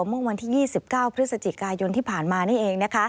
เมื่อวันที่๒๙พฤศจิกายนที่ผ่านมานี่เอง